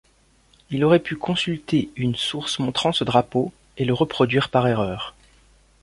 Il aurait pu consulter une source montrant ce drapeau et le reproduire par erreur.